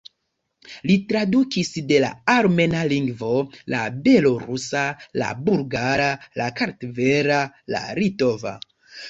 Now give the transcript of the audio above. Li tradukis de la armena lingvo, la belorusa, la bulgara, la kartvela, la litova.